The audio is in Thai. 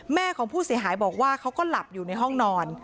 แม่ของผู้เสียหายบอกว่าเขาก็หลับอยู่ในห้องนอน